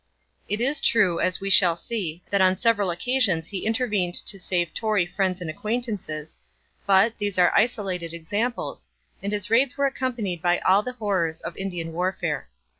It is true, as we shall see, that on several occasions he intervened to save Tory friends and acquaintances, but these are isolated examples, and his raids were accompanied by all the horrors of Indian warfare.